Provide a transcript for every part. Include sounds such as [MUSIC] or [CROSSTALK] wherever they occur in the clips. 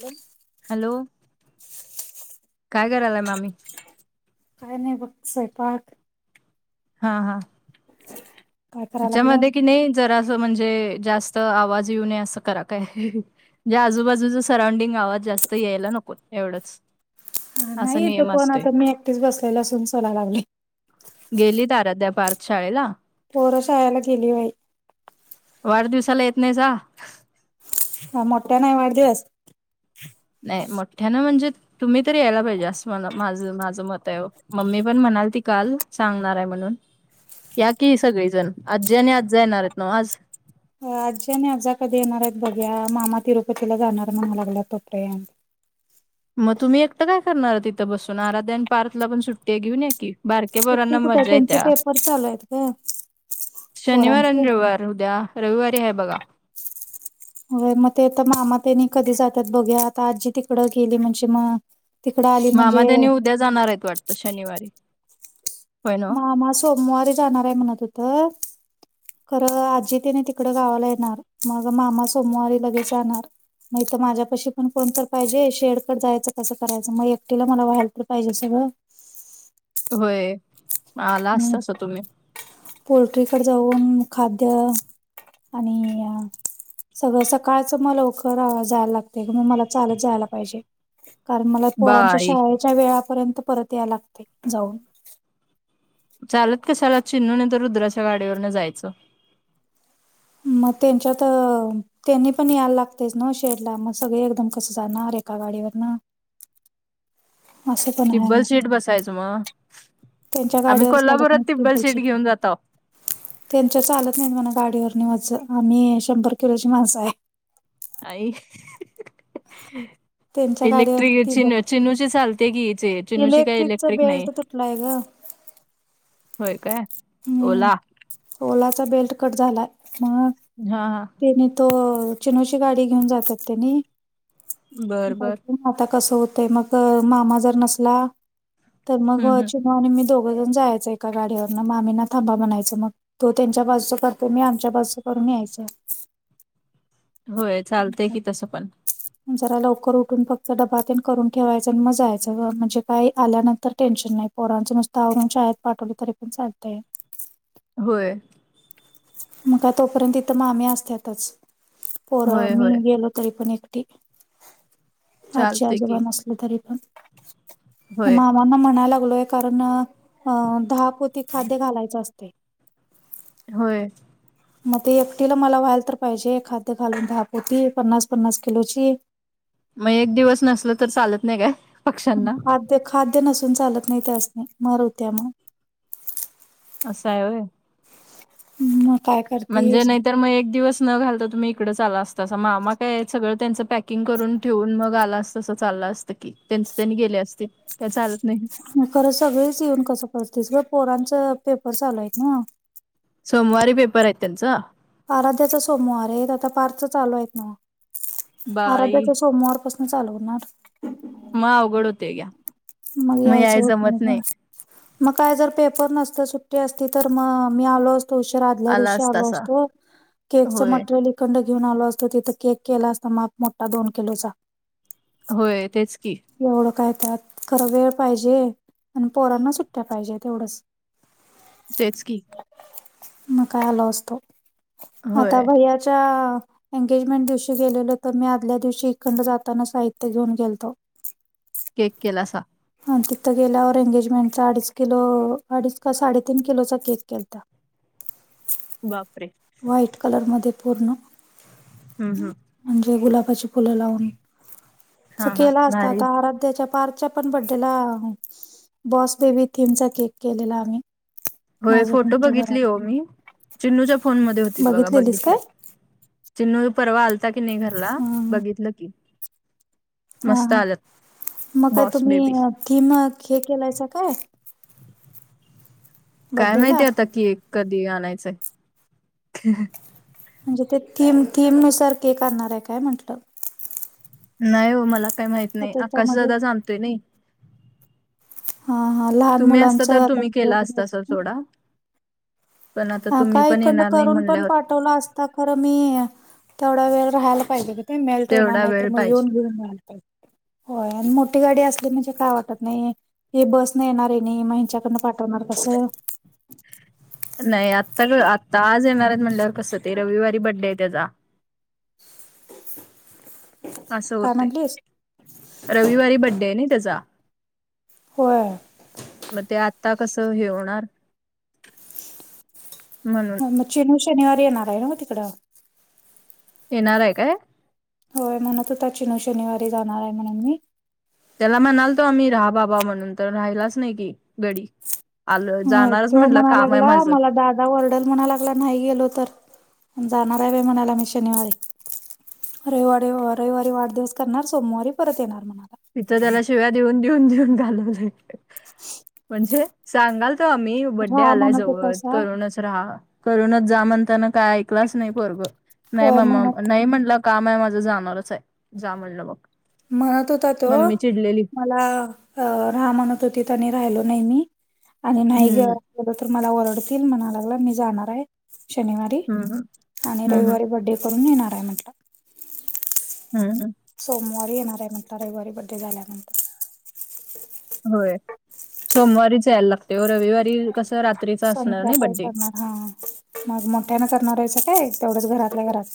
बोल [INAUDIBLE] हॅलो काय करायलाय मामी? काय नाही बघ स्वयपाक. हा- हा काय करायला लागल्या ह्याच्यामध्ये कि नाही जरा असं म्हणजे जास्त आवाज येऊ नये असं करा काय. [INAUDIBLE] ज्या आजूबाजूच सराउडिंग आवाज जास्त यायला नकोत एवढंच. असा नाही इथं नियम कोण, असतोय आता मी एकटीच बसलेलो लसून सोलाय लागलोय. गेलीत अराध्या, पार्थ शाळेला? पोर शाळेला गेली बाई. वाढदिवसाला येत नाहीसा? का मोठ्यान हाय वाढदिवस? नाही मोठ्यानं म्हणजे तुम्ही तरी यायला पाहिजे असं मला माझं -माझं मत हाय ओ. मम्मी पण म्हणालती काल सांगणार आहे म्हणून. या की सगळीजण आजी आणि आजा येणार आहेत नव्ह आज. आजी आणि आजा कधी येणार आहेत बघूया मामा तिरुपतीला जाणार म्हणाय लागल्यात तोपर्यंत. मग तुम्ही एकटं काय करणार तिथं बसून? आराध्या आणि पार्थला पण सुट्टी आहे घेऊन या की. बारके सुट्टी पोरांना कुठे मजा त्यांचे येत्या पेपर चालू आहेत ग शनिवार पोरांचे आणि रविवार उद्या, रविवारी आहे बघा. होय मग ते तर मामा तेनी कधी जात्यात बघूया आता आजी तिकडं गेली म्हणजे म मामा तेनी उद्या जाणार आहेत वाटत शनिवारी. होय ना मामा सोमवारी जाणार हाय म्हणत होतत. खरं आजी तिने तिकड गावाला येणार मग मामा सोमवारी लगेच जाणार. नाही तर माझ्या पशी पण कोण तर पाहिजे शेडकट जायचं कसं करायचं मग एकटीला मला व्हायला तर पाहिजे सगळं. होय म आला असतासा तुम्ही. पोल्ट्रीकड जाऊन खाद्य आणि सगळं सकाळचं म लवकर जायला लागतय मग मला चालत जायला पाहिजे. कारण मला पोरांच्या बाई शाळेच्या वेळापर्यंत परत या लागतय जाऊन. चालत कशाला, चिनू नाहीतर रुद्राच्या गाडीवरण जायचं. मग त्यांच्यात, त्यांनी पण यायला लागतेच ना शेडला मग सगळे एकदम कसं जाणार एका गाडीवरन ह [UNINTELLIGIBLE] तिब्बल आहे सीट बसायचं. मग, त्यांच्या आम्ही गाडीवर कोल्हापुरात तिब्बल सीट घेऊन जाताव. त्यांच्यात चालत नाहीत म्हण, गाडीवरन आस आम्ही शंभर किलोची माणसं आहे. आई त्यांच्या गाडीवर इलेक्ट्रिक ती ब चिनू चिनूची चालते की चे चिनूची काही इलेक्ट्रिकचा इलेक्ट्रिक नाही. बेल्ट तुटलाय ग होय काय हम्म ओला. ओलाचा बेल्ट कट झालाय मग हा हा. तेनी तो चिनुची गाडी घेऊन जातात तेनी. बर बर आता कसं होतय. मग मामा जर नसला तर मग हम्म, हम्म. चिनू आणि मी दोघंजण जायचं एका गाडीवरंन मामीना थांबा म्हनायचं मग. तो त्यांच्या बाजूच करतोय. मी आमच्या बाजू करून यायच. होय. चालतय की तसं पण. जरा लवकर उठून फक्त डबातेन करून ठेवायचं. आणि मग जायचं. म्हणजे काही आल्यानंतर टेन्शन नाही. पोरांचं नुसतं आवरुन शाळेत पाठवलं तरी पण चालतय. होय. मग तोपर्यंत इथ मामी असत्यातच पोर होय मी होय गेलो तरी पण आजी चालते की आजोबा नसल तरी पण, होय मामांना म्हणायला लागलोय कारण अ दहा पोती खाद्य घालायचं असते. होय. मग ते एकटीला मला व्हायला तर पाहिजे. खाद्य घालून दहा पोती पन्नास पन्नास किलोची. मग एक दिवस नसल तर चालत नाही काय पक्ष्यांना? ते खाद्य नसून चालत नाही. त्यासनी मर होत्या मग असं हाय होय. मग काय कर म्हणजे नाहीतर मग एक दिवस न घालता तुम्ही इकड आला असतासा. मामा काय सगळं त्यांच पॅक किंग करून ठेवून. मग आला असतासा चाललं असतं की त्यांच त्यांनी गेले असते काय चालत नाही? खरं, सगळेच येऊन कसं करतीस गं. पोरांच पेपर चालू आहे नव्ह. सोमवारी पेपर आहेत त्यांच आराध्याचा सोमवार आहेत. आता पार्थच चालू आहेत नव्ह. बाई आराध्याच्या सोमवारपासून मग चालू होणार मग अवघड होतय घ्या मग यायचं होत नाही. मग काय जर पेपर नसत. सुट्टी असती तर मग मी आलो असतो उशर, आदल्या आला दिवशी आलो असतासा असतो. तू केकच होय मटेरियल इकडंन घेऊन आलो असतो. तिथं केक केला असता माप मोठा दोन किलोचा. होय. तेच की. एवढं काय त्यात. खरं वेळ पाहिजे आणि पोरांना सुट्टया पाहिजे तेवढंच. तेच की. मगं काय आलो असतो. आता होय भैयाच्या एंगेजमेंट दिवशी गेलेलो. तर मी आदल्या दिवशी एकांड जाताना साहित्य घेऊन गेलतो. केक केलासा? हा तिथं गेल्यावर. एंगेजमेंटचा अडीच किलो अडीच का साडेतीन किलोचा केक केलत. बापरे व्हाईट कलर मध्ये पूर्ण हम हम. म्हणजे गुलाबाची फुलं लावून. हा हा केला असता भारी आता आराध्याच्या पार पण बडेला बॉस बेबी थीमचा केक केलेला आम्ही. हो. माझं फोटो मिळतं बघितली घरात हो मी चिन्नूच्या फोन मध्ये होती बघा बघितलेलीस बघितल. काय चिनू परवा आलता की नाही घरला हा बघितलं की. हा मस्त हा आल्यात मग काय बॉस तुम्ही बेबी थीम हे केलायचं काय? काय बड्डेला माहितीय आता की एक कधी आणायचंय. म्हणजे ते थीम थीम नुसार के करणार आहे काय म्हटलं? नाही हो मला काही माहित नाही आकाश त्याच्यामध्ये जादा जाणतोय नाही. हा हा लहान तुम्ही असता तर मुलांचं तुम्ही केला असता सर सोडा पण आता हा तुम्ही का पण एककड येणार नाही करून पण म्हणल्यावर पाठवला असता खरं मी तेवड्या वेळ राहायला पाहिजे. ते मेळतो ना तेवढा नाहीतर वेळ मग येऊन पाहिजे घेऊन जालत. होय आणि मोठी गाडी असली म्हणजे काय वाटत नाही हे बस नाही येणार आहे नाही मग हच्याकडनं पा णार कसं? नाही आत्ता आता आज आहे मॅरेज म्हटल्यावर कसं ते रविवारी बड्डे आहे त्याचा अस काय होते म्हटलीस? रविवारी बड्डे आहे नाही त्याचा होयर. मग ते आता कस हे होणार म्हण. मग शन शनिवारी येणार आहे ना मग तिकडं. येणार आहे काय? होय म्हून तू त्यािनू शनिवारी जाणार आहे म्हणून मी त्याला म्हणाल तो आम्ही राहा बाबा म्हणून तर राहिलाच नाही की गडी आलो हा जाणारच तो म्हटलं काम आहे म्हनालागला माझं मला दा ला वर्डल म्हणा लागला नाही गेलो तर जाणार आहे व म्हणाला मी शनिवारी रविारी रविवारी वाढदिवस करणार सोमवारी परत येणार म्हणाला. मथ त्याला शिव्या देऊन देऊन देऊन घालवले. ह. म्हणजे सांगाल तर आम्ही बड्डे आलाय म्हणत जवळ होतासा करूनच राहा. करूनच जा म्हणताना काय ऐकलंच नाही पर नाही होय ममा म्हणत नाही म्हणला. काम आहे माझं जाणारच आहे जा म्हणलं मग म्हणत होता तो मम्मी चिडलेली मला अ राहा म्हणत होती त्यांनी राहिलो नाही मी आणि नाही ग हम्म गेलं तर मला ओरडतील म्हणा लागलं मी जाणार आहे. शनिवारी हम्म आणि हम्म रविवारी बड्डे करून येणार आहे म्हटलं. हम् हम. सोमवारी येणार आहे म्हटला रविवारी बड्डे झाल्यानंतर होय सोमवारीच यायला लागते व रविवारी कसं रात्रीचा असणार नाही संध्याकाळी बड्डे करणार हा मग मोठ्यान करणारायचं काय तेवढंच घरातल्या घरात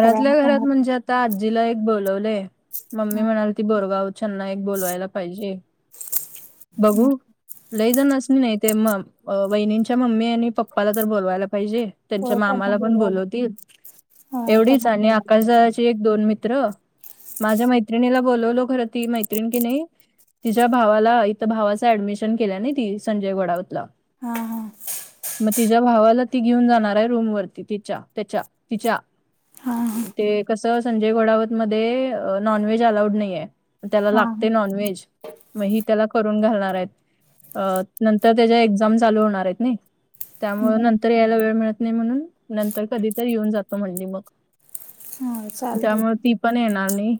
सगळ्यांना घरात सांगणार म्हणजे आता आजीला एक बोलवलंय मम्मी हा म्हणाली ती बोरगाव होती. च् ननाक बोलवायला पाहिजे हम्म बघू. लयजण अस नाही नाही ते मग वहिनींच्या मम्मी आणि पप्पाला तर बोलवायला पाहिजे. त्यांच्या होय त्यांना मामाला पण बोलवायला बोलवतील होय एवढीच त्यांना आणि बोलवायला पाहिजे आकाशदळाचे एक दोन मित्र माझ्या मैत्रिणीला बोलवलो खर ती मैत्रिणी की नाही. तिच्या भावाला इथं भावाच ऍडमिशन केल्या नाही ती संजय वडावतला हा हा मग तिच्या भावाला ती घेऊन जाणार आहे रूम वरती तिच्या त्याच्या तिच्या हा ते कसं संजय घोडावत मध्ये नॉन व्हेज अलाऊड नाही आहे. त्याला हा हा लागते नॉनव्हेज मग ही त्याला करून घालणार आहेत अ नंतर त्याच्या एक्झाम चालू होणार आहेत ना. त्यामु हा नंतर यायला वेळ मिळत नाही म्हणून नंतर कधी तररी येऊन जातो म्हणली मग होय चालतंय त्याम पण येणार नाही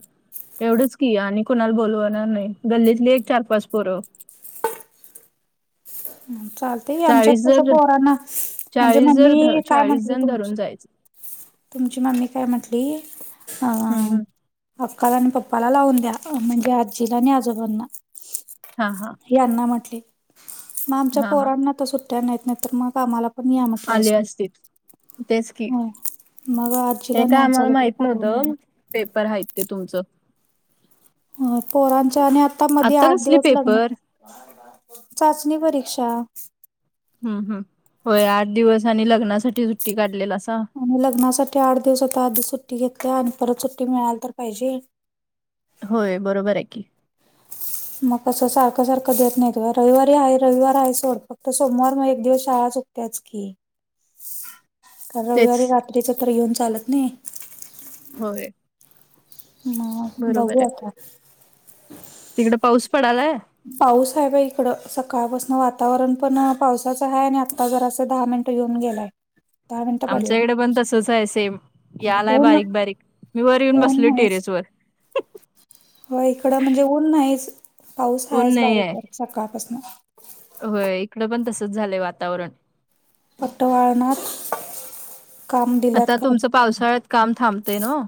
एवढंच की आणि कुणाला बोलवणार नाही गल्लीतली एक चार पाच पोरं. चालते आमच्यात चाळीस कसं जर पोहराना म्हणजे चाळीस जर मम्मी ध- काय चाळीस म्हटली जण तुमची? धरून जायचं तुमची मम्मी काय म्हटली. हम्म, हम्म. अक्काला आणि पप्पाला लावून द्या म्हणजे आजीला न आजोबांना हा हा. यांना म्हटले मग आमच्या हा हा पोरांना तर सुट्ट्या नाहीत नाही तर मग आम्हाला पर्णया म आले कलासक असतील तेच की हा मग हे आजीला नय काय आम्हाला झालं तरी माहित पाठवून द्या म नव्हतं पेपर आहेत ते तुमचं ह पोरांच्या आणि आता मध्ये आठ कसली दिवस लग्न पेपर चाचणी परीक्षा हम् हम् होय आठ दिवस आणि लग्नासाठी सुट्टी काढलेल असा आणि लग्नासाठी आठ दिवस होता आधी सुट्टी घेतल्या आणि परत सुट्टी मिळाल तर पाहिजे होय बरोबर आहे की मग कसं सारखं सारखं देत नाही रविवारी आहे रविवार आहे सोड फक्त सोमवार मग एक दिवस शाळा च त्याच की [INAUDIBLE] कार तेच रविवारी रात्रीच तर येऊन चालत नाही होय ह बघू आता तिकड पाऊस पडालाय पाऊस आहे बा इकड सकाळपासन वातावरण पण पावसाचं आहे आणि आता जरा असं दहा मिनट येऊन गेलाय ह दहा मिनिटं पडला आमच्या इकडे पण तसच आहे सेम या आलाय ऊन बारीक बारीक मी वर येऊन ऊन बसलो नाहीच टेरेस वर हो इकडं म्हणजे ऊन नाहीच पाऊस ऊन आहेच नाही बारीक आहे बारीक सकाळपासून होय इकड पण तसच झालंय वातावरण पट्टवाळनाथ आता तुमचं पावसाळ्यात काम थांबतंय न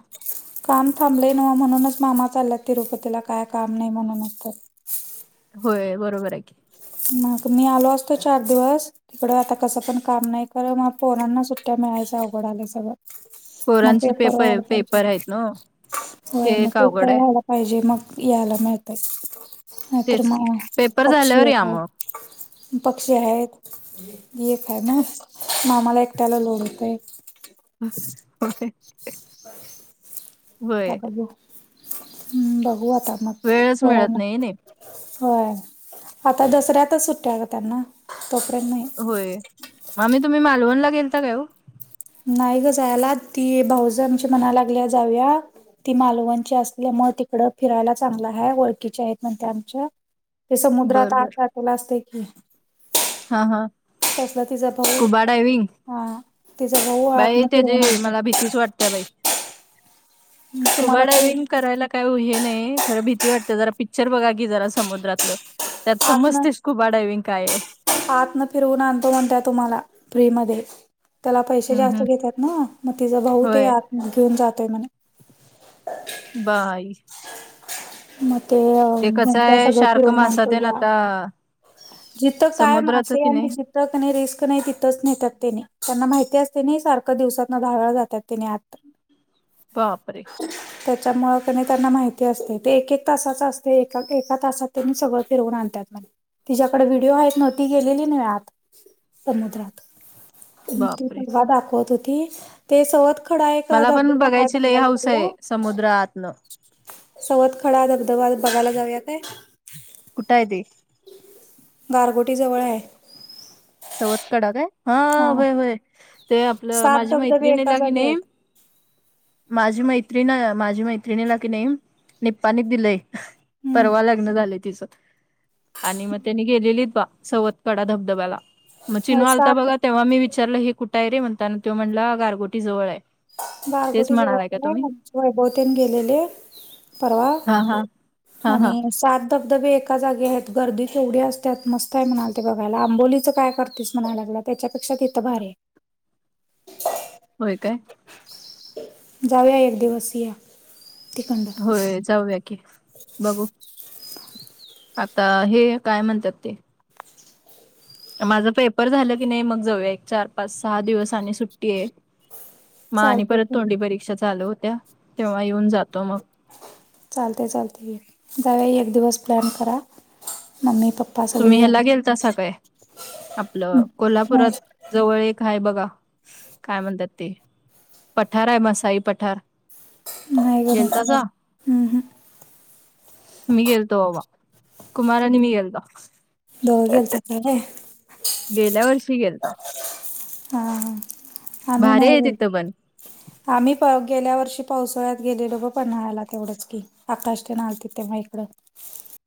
काम थांबलं न म्हणूनच मामा चाललात तिरुपतीला काय काम नाही म्हणूनच तर होय बरोबर आहे की मग मी आलो असतो चार दिवस तिकडं आता कसं पण काम नाही कर मग पोरांना सुट्ट्या मिळायच्या अघड आल्या सगळं म पोरांची पेपर वाढ पाहिजे पेपर आहेत ना होय ते मग एक अवघड पेपर आहे वाढ पाहिजे मग यायला मिळतय नाहीतर तेच की मग पेपर पक्षी झाल्यावर य या मग पक्षी आहेत फॅमस मामाला एकट्याला लोढतय ह हो बर वय हम्म बघू आता मग वेळच कोड मिळत ना नाही नाही होय आता दसऱ्यातच सुट्ट्या का त्यांना तोपर्यंत नाही होय मग मी तुम्ही मालवणला गेलता काय हो नाही ग जायला ती भाऊज आमच्या मनाला लागली जाऊया ती मालवणची असली म तिकडं फिरायला चांगलं आहे ओळखकीचे आहेत म्हणते आमच्या ते समुद्रात बर आत बर जातला असते की हा हा तिचा स्कुबा भाऊ डायविंग हा तिचा भाऊ आतन फिरवून आणत तीच वाटते्या बाई स्कुबा तुम्हाला ते डायविंग करायला काय हे नाही खरं भीती वाटते जरा पिक्चर बघा की जरा समुद्रातलं त्यात समजतेच खूप डायविंग काय आहे आतम फिरवून आणतो म्हणत्या तुम्हाला फ्री म त्याला पैसे हम्म जास्त हम्म घेतात ना मग तिचा भाऊ ते होय आत मग घेऊन जातोय म्हणे बाय मग ते कसं म्हणजे आहे सगळ्याच शार्क योगण मासा आणत तेन या आता जिथं काय समुद्राचं मासे की आणि नाही ज ट्रक नाही रिस्क नाही तिथंच नेतात त्याने त्यांना माहिती असते नाही सारखं दिवसातना धावळ जातात त्याने आत्. बापरे त्याच्यामुं क त्यांना माहिती असते. ते एक एक तासाच असते एका एका तासात त्यां म सगळं फिरवून आणतात मला तिच्या्याकडे व्हिडिओ आहेत नव्हती गेलेली नाहीळत समुद्रात ती बापरे सजव दाखवत होती ते सोबत खडा एक धबधबा आहे बघायला जाला. समुद्रातलं. चवतखडा धबधबाद बघायला जाऊया काय? कुठा आहे ते गारगोटी जवळ आहे. चवत कडा काय हा होय होय. ते आपलं सात माझी धबधबे मैत्रिणी एका ला की जागी नाही. आहेत. माझी मैत्रिण माझ्या मैत्रिणीला की नाही नेपाळला दिलय. हम्म परवा लग्न झालय तिच. आणि मग त्यानी गेलेलीत बा सवत कडा धबधब्याला मग चिनु होय आलता सात बघा तेव्हा मी विचार. त्याला हे कुठ आहे रे म्हणताना तो म्हटला गारगोटी जवळ आहे. तेच गारगोटी जवळ म्हणालाय का आले तुम्ही आणि वैभव ते गेलेले परवा हा हा हा हा आणि सात धबधबे एका जागे आहेत गर्दी तेवढी असतात मस्त आहे म्हणाल ते बघायला आंबोलीचं काय करतेस म्हणायला लागलं. त्याच्यापेक्षा तिथं भार आहे होय काय? जाऊया एक दिवस या तिकडनं होय जाऊया की बघू. आता हे काय म्हणतात ते माझा पेपर झालं की नाही मग जाऊया एक चार पाच सहा दिवस आणि सुट्टी आहे. मग आणि चालतंय परत की तोंडी परीक्षा चालू होत्या तेव्हा येऊन जातो मग चालते चालते त्यावेळी एक दिवस प्लॅन करा मम्मी पप्पा सगळे तुम्ही या ह्याला गेलता स काय? हं. आपलं नाही कोल्हापुरात जवळ एक आहे बघा काय म्हणतात ते पठार आहे मसाई पठार. नाही ग मी काय गेलतासा हं, हं. मी गेलतो अवा. कुमार निमगलत. दोत गेल्या वर्षी गेलता. हा आम्ही भारी नाही आहे बाई. तिथं पण. आम्ही गेल्या वर्षी पावसाळ्यात गेलेलो ग पन्हाळाला तेवढंच की आकाश पण आलते तेव्हा इकड